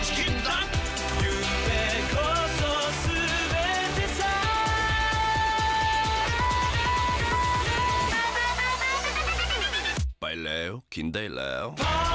กินได้แล้วกินได้แล้ว